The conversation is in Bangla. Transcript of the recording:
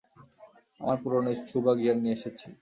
আমার পুরানো স্কুবা গিয়ার নিয়ে এসেছি।